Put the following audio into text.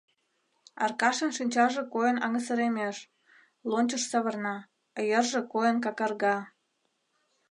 Аркашын шинчаже койын аҥысыремеш, лончыш савырна, а йырже койын какарга.